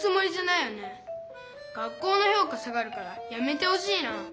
学校のひょうか下がるからやめてほしいな。